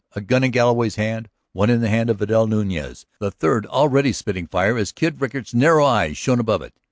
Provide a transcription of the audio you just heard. A gun in Galloway's hand, one in the hand of Vidal Nuñez, the third already spitting fire as Kid Rickard's narrowed eyes shone above it.